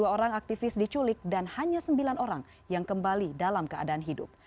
dua puluh orang aktivis diculik dan hanya sembilan orang yang kembali dalam keadaan hidup